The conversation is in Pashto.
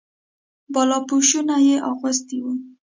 بالاپوشونه یې اغوستي وو.